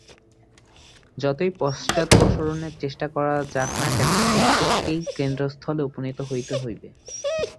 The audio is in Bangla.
যতই পশ্চাদপসরণের চেষ্টা করা যাক না কেন, প্রত্যেককেই কেন্দ্রস্থলে উপনীত হইতে হইবে।